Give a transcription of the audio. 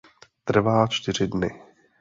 Trvá čtyři dny.